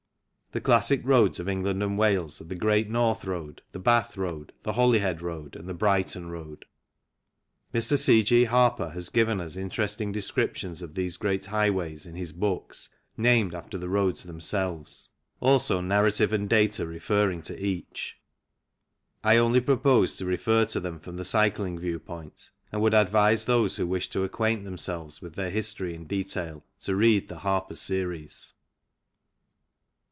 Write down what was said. The classic roads of England and Wales are the Great North Road, the Bath Road, the Holyhead Road, and the Brighton Road. Mr. C. G. Harper has given us interesting descriptions of these great highways in his books, named after the roads themselves, also narrative and data referring to each. I only propose to refer to them from the cycling view point, and would advise those who wish to acquaint themselves with their history in detail to read the Harper series.